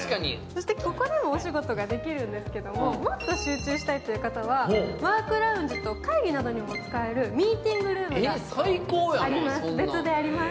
ここでもお仕事ができるんですけど、もっと集中したいという方にはワークラウンジと、会議などにも使えるミーティングルームが別であります。